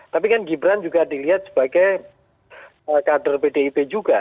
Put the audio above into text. tapi kan gibran juga dilihat sebagai kader pdip juga